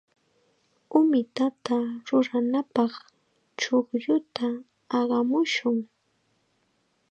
Umitata ruranapaq chuqlluta aqamushun.